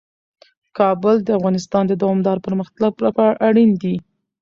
کابل د افغانستان د دوامداره پرمختګ لپاره اړین دي.